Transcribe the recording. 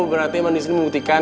berarti emang disini membuktikan